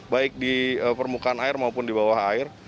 baik di permukaan air maupun di bawah air